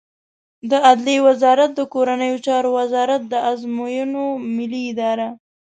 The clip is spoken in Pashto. د عدلیې وزارت د کورنیو چارو وزارت، د ازموینو ملی اداره